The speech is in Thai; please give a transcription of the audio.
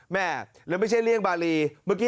และไม่ใช่เลี่ยงบาลี